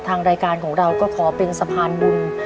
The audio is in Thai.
ทางรายการของเราก็ขอเป็นสะพานบุญ